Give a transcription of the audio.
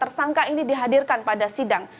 tersangka ini dihadirkan pada sidang